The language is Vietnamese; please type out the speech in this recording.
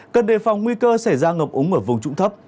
cần đề phòng nguy cơ xảy ra ngập úng ở vùng trụng thấp